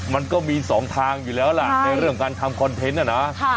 มันก็มีสองทางอยู่แล้วล่ะในเรื่องการทำคอนเทนต์น่ะนะ